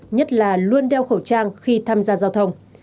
nhất là luôn đeo khẩu trang khi tham gia giao thông